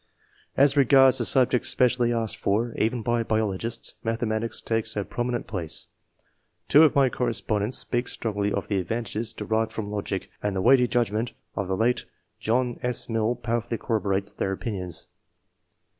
As regards the subjects specially asked for, even by biologists, mathematics take a prominent place. Two of my correspondents speak strongly of the advantages derived from logic, and the weighty judgment of the late John S. Mill powerfully corroborates their opinions.